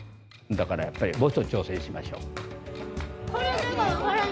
だからやっぱりもうちょい挑戦しましょう。